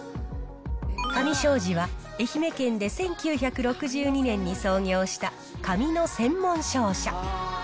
カミ商事は愛媛県で１９６２年に創業した紙の専門商社。